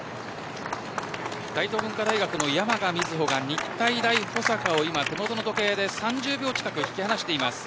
大東文化大の山賀が日体大、保坂を手元の時計で３０秒近く引き離しています。